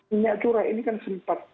minyak curah ini kan sempat